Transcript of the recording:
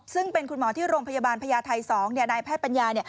ซึ่งเป็นคุณหมอที่โรงพยาบาลพญาไทย๒นายแพทย์ปัญญา